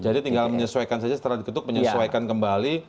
jadi tinggal menyesuaikan saja setelah diketuk menyesuaikan kembali